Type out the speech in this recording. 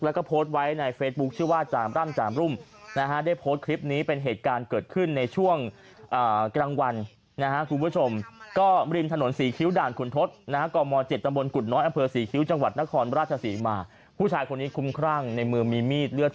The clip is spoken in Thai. และโพดไว้ในเฟซบุ๊คชื่อว่าจะร่ำจัมรุ่ม